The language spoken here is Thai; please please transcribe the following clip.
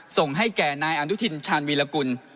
ส่งให้แก่นายอนุทินชาญวีรกุล